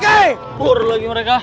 kabur lagi mereka